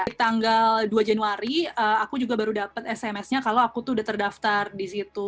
di tanggal dua januari aku juga baru dapat sms nya kalau aku tuh udah terdaftar di situ